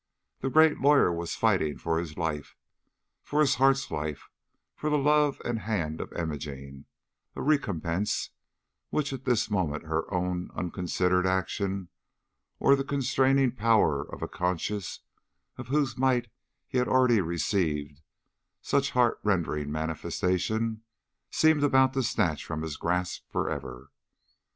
The great lawyer was fighting for his life, for his heart's life, for the love and hand of Imogene a recompense which at this moment her own unconsidered action, or the constraining power of a conscience of whose might he had already received such heart rending manifestation, seemed about to snatch from his grasp forever.